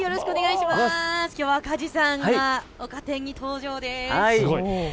きょうは梶さんがおか天に登場です。